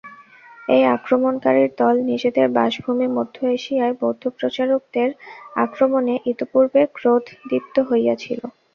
এই আক্রমণকারীর দল নিজেদের বাসভূমি মধ্য-এশিয়ায় বৌদ্ধ প্রচারকদের আক্রমণে ইতঃপূর্বে ক্রোধদীপ্ত হইয়াছিল।